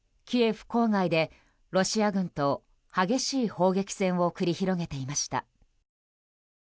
キエフ郊外でロシア軍と激しい砲撃戦を繰り広げていました。